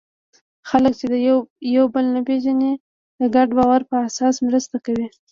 خلک چې یو بل نه پېژني، د ګډ باور په اساس مرسته کوي.